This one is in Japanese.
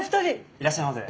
いらっしゃいませ。